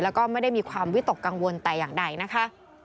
แล้วก็ไม่ได้มีความวิตกกังวลแต่อย่างใดนะคะ